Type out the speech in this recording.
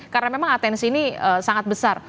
karena memang atensi ini sangat besar